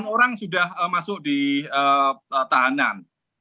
enam orang sudah masuk di tahanan